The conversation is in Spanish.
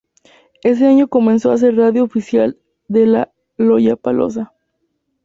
Ese año comenzó a ser radio oficial de Lollapalooza.